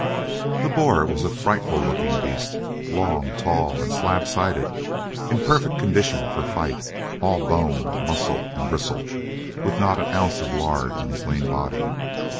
The boar was a frightful looking beast, long, tall, and slab sided, in perfect condition for fight, all bone, muscle, and bristles, with not an ounce of lard in his lean body.